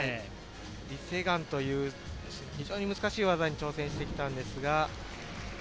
リ・セグァンという非常に難しい技に挑戦してきたんですが。